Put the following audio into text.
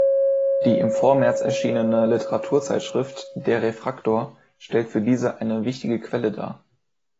Die im Vormärz erschienene Literaturzeitschrift "Der Refraktor" stellt für diese eine wichtige Quelle dar.